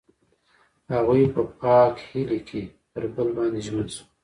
هغوی په پاک هیلې کې پر بل باندې ژمن شول.